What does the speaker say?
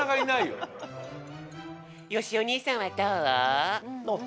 よしお兄さんはどう？